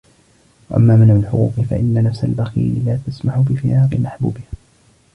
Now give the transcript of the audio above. وَأَمَّا مَنْعُ الْحُقُوقِ فَإِنَّ نَفْسَ الْبَخِيلِ لَا تَسْمَحُ بِفِرَاقِ مَحْبُوبِهَا